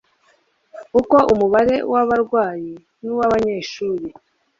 Uko umubare w’abarwayi n’uw’abanyeshuri